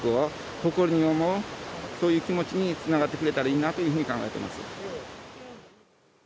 そういう気持ちにつながってくれたらいいと考えています。